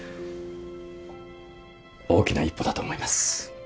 大きな一歩だと思います。